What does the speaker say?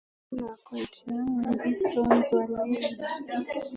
The children were quite young when these stones were laid.